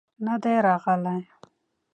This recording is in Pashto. نه دى راغلى.